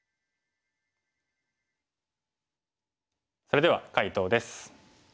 それでは解答です。